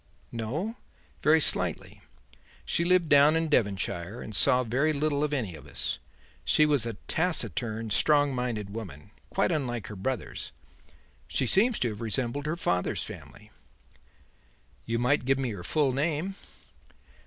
"No; very slightly. She lived down in Devonshire and saw very little of any of us. She was a taciturn, strong minded woman; quite unlike her brothers. She seems to have resembled her father's family." "You might give me her full name."